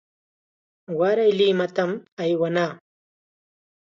Waray Limatam aywanaa.